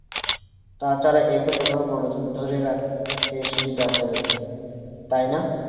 তাছাড়া, এতে তোমার মনোযোগ ধরে রাখতে সুবিধা হবে, তাই না?